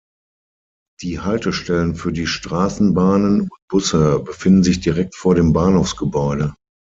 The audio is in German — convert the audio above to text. Die Haltestellen für die Straßenbahnen und Busse befinden sich direkt vor dem Bahnhofsgebäude.